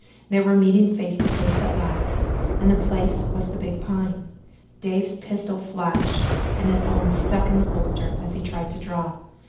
They were meeting face to face at last and the place was the big Pine. Dave's pistol flashed and his own stuck in the holster as he tried to draw.